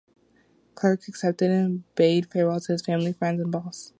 Clerc accepted and bade farewell to his family, friends, and boss.